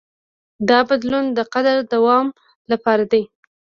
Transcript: دا بدلون د قدرت د دوام لپاره دی.